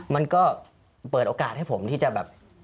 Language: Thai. มันก็เปิดโอกาสให้ผมที่จะแบบ